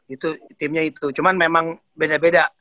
itu timnya itu cuma memang beda beda